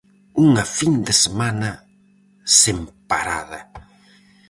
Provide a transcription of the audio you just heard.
Unha fin de semana sen parada.